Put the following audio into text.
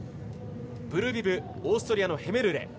ブルービブオーストリアのヘメルレ。